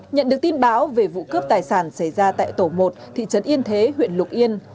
nhận được tin báo về vụ cướp tài sản xảy ra tại tổ một thị trấn yên thế huyện lục yên